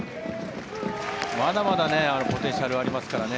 まだまだポテンシャルありますからね。